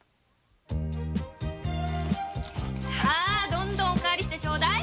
どんどんお代わりしてちょうだい！